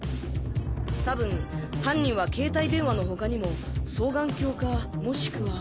多分犯人は携帯電話の他にも双眼鏡かもしくは。